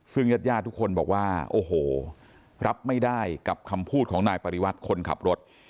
ซึ่งญาติญาติทุกคนบอกว่าโอ้โหรับไม่ได้กับคำพูดของนายปริวัติคนขับรถ